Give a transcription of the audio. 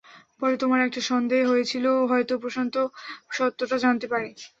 পরে, তোমার একটা সন্দে হয়েছিল, হয়তো প্রশান্ত সত্যটা জানতে পারে।